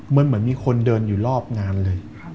มันเหมือนมีคนเดินอยู่รอบงานเลย